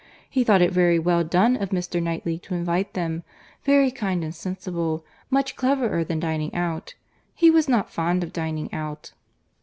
He thought it very well done of Mr. Knightley to invite them—very kind and sensible—much cleverer than dining out.—He was not fond of dining out."